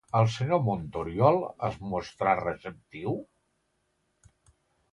El senyor Montoriol es mostrà receptiu?